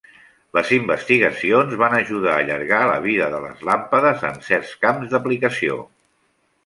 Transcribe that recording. Les investigacions van ajudar a allargar la vida de les làmpades en certs camps d'aplicació.